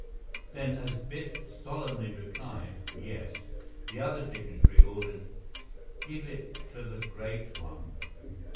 Then as Biff solemnly replied, "Yes," the other dignitary ordered, "Give it to the Great One."